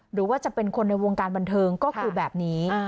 หรือว่าจะเป็นคนในวงการบันเทิงก็คือแบบนี้